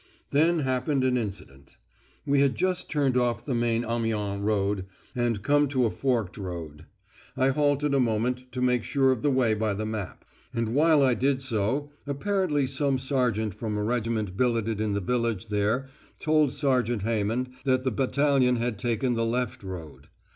Then happened an incident. We had just turned off the main Amiens road, and come to a forked road. I halted a moment to make sure of the way by the map, and while I did so apparently some sergeant from a regiment billeted in the village there told Sergeant Hayman that the battalion had taken the left road.